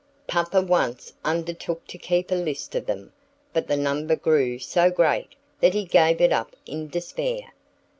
Papa once undertook to keep a list of them, but the number grew so great that he gave it up in despair.